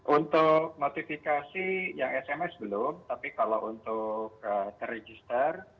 untuk notifikasi yang sms belum tapi kalau untuk terregister